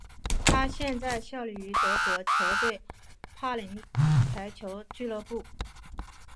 他现在效力于德国球队柏林排球俱乐部。